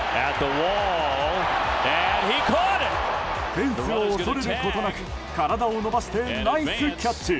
フェンスを恐れることなく体を伸ばしてナイスキャッチ！